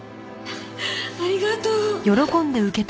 ありがとう。